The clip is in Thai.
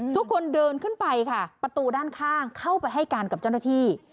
ทุกคนเดินขึ้นไปค่ะประตูด้านข้างเข้าไปให้การกับเจ้าหน้าที่